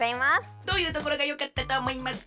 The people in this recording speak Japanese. どういうところがよかったとおもいますか？